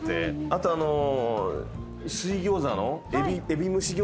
あと水餃子の。